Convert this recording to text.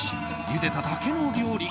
ゆでただけの料理。